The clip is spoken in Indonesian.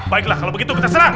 baiklah kalau begitu kita serah